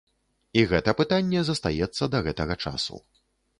І гэта пытанне застаецца да гэтага часу.